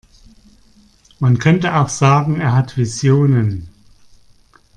Man könnte auch sagen, er hat Visionen.